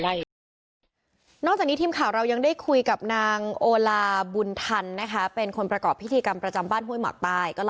เลยหน้าจากนิจคลิปขาเรายังได้คุยกับนางโหลาบุญทัลนะคะเป็นคนประกอบพิธีกรรมตาจำบ้านห้วยหมอกใต้ก็